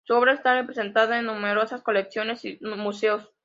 Su obra está representada en numerosas colecciones y museos.